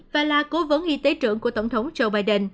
và là cố vấn y tế trưởng của tổng thống joe biden